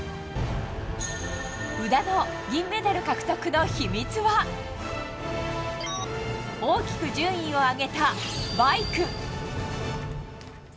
宇田の銀メダル獲得の秘密は大きく順位を上げたバイク。